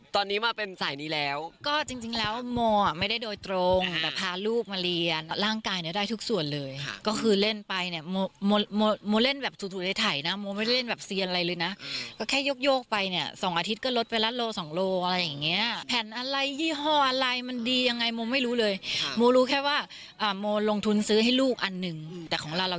ที่ให้สัมภาษณ์กับเราค่ะ